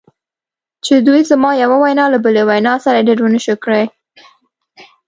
چې دوی زما یوه وینا له بلې وینا سره ایډیټ و نشر کړې